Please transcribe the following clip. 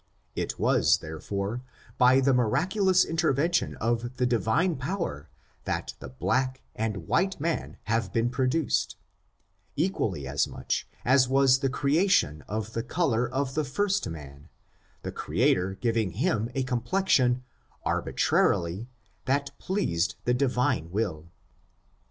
It was, therefore, by the miraculous intervention of the Divine power that the black and white man have been produced, equally as much as was the creation of the color of the first man, the Creator giving him a complexion, arbitrarily, that pleased the Divine will.